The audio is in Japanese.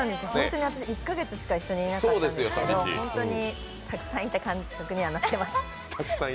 私、１か月しか一緒にいなかったんですけど本当にたくさんいた感覚にはなってます。